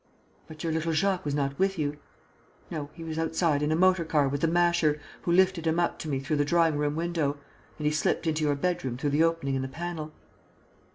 "But your little Jacques was not with you?" "No, he was outside, in a motor car, with the Masher, who lifted him up to me through the drawing room window; and he slipped into your bedroom through the opening in the panel."